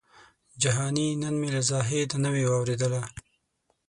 جهاني نن مي له زاهده نوې واورېدله